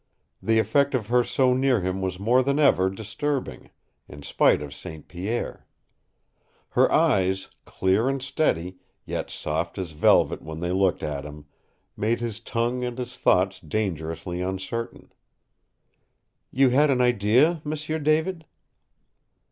The effect of her so near him was more than ever disturbing, in spite of St. Pierre. Her eyes, clear and steady, yet soft as velvet when they looked at him, made his tongue and his thoughts dangerously uncertain. "You had an idea, M'sieu David?"